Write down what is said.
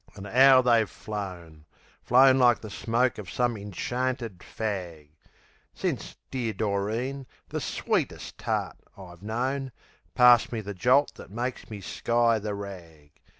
An' 'ow they've flown Flown like the smoke of some inchanted fag; Since dear Doreen, the sweetest tart I've known, Passed me the jolt that made me sky the rag.